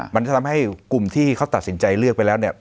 มันก็ทำให้กลุ่มที่เขาตัดสินใจเลือกไปแล้วเนี่ย